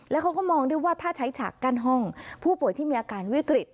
แล้วเขาก็มองด้วยว่าถ้าใช้ฉากกั้นห้องผู้ป่วยที่มีอาการวิกฤต